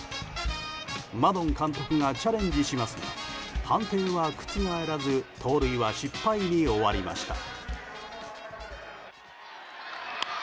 マドン監督がチャレンジしますが判定は覆らず盗塁は失敗に終わりました。